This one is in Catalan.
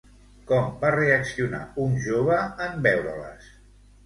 Com va reaccionar un jove en veure-les?